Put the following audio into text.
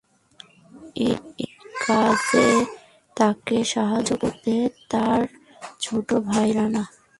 এই কাজে তাকে সাহায্য করেন তার ছোট ভাই রানা।